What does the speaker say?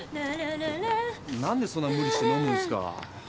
何でそんな無理して飲むんすか？